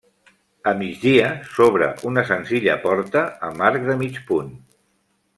A migdia, s'obre una senzilla porta amb arc de mig punt.